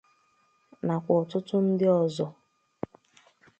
nakwa ọtụtụ ndị ọzọ.